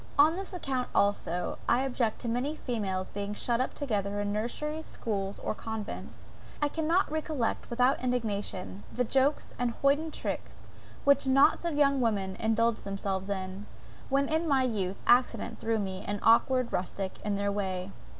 On this account also, I object to many females being shut up together in nurseries, schools, or convents. I cannot recollect without indignation, the jokes and hoiden tricks, which knots of young women indulged themselves in, when in my youth accident threw me, an awkward rustic, in their way.